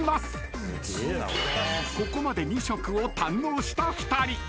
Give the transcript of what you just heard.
［ここまで２食を堪能した２人］